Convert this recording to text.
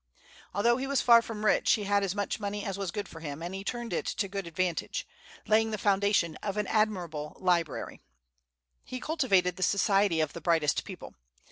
Although he was far from rich, he had as much money as was good for him, and he turned it to good advantage, laying the foundation of an admirable library. He cultivated the society of the brightest people.